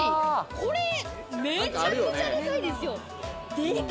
これ、めちゃくちゃでかいですよ。